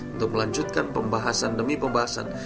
untuk melanjutkan pembahasan demi pembahasan